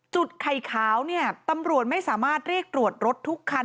ไข่ขาวเนี่ยตำรวจไม่สามารถเรียกตรวจรถทุกคัน